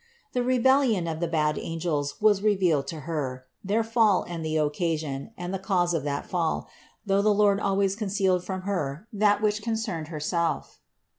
The rebellion of the bad angels was revealed to Her, their fall and the occasion and the cause of that fall, though the Lord always concealed from Her that which concerned Herself.